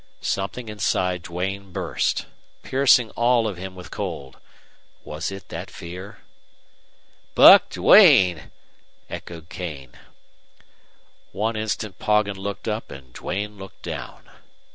Something inside Duane burst, piercing all of him with cold. Was it that fear? "BUCK DUANE!" echoed Kane. One instant Poggin looked up and Duane looked down.